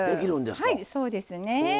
はいそうですね。